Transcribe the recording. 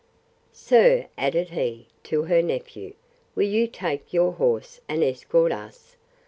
Sir, added he, to her nephew, will you take your horse and escort us?